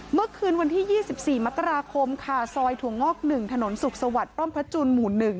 เมื่อคืนวันที่๒๔มกราคมค่ะซอยถั่วงอก๑ถนนสุขสวัสดิ์ป้อมพระจุลหมู่๑